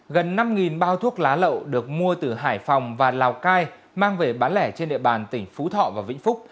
gần năm bao thuốc lá lậu được mua từ hải phòng và lào cai mang về bán lẻ trên địa bàn tỉnh phú thọ và vĩnh phúc